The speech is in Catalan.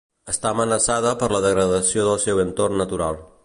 Està amenaçada per la degradació del seu entorn natural.